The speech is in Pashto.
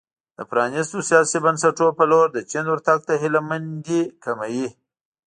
د پرانیستو سیاسي بنسټونو په لور د چین ورتګ ته هیله مندي کموي.